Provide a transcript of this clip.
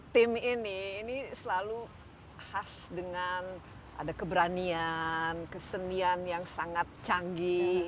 tim ini ini selalu khas dengan ada keberanian kesenian yang sangat canggih